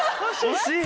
惜しい！